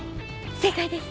正解です！